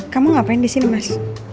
kamu ngapain disini mas